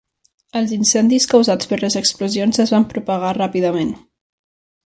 Els incendis causats per les explosions es van propagar ràpidament.